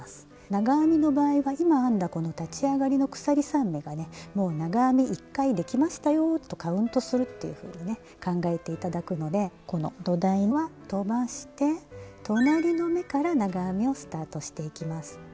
長編みの場合は今編んだこの立ち上がりの鎖３目がね「もう長編み１回できましたよ」とカウントするっていうふうにね考えて頂くのでこの土台は飛ばして「隣の目」から長編みをスタートしていきます。